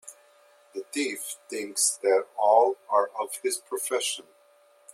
The thief thinks that all are of his profession.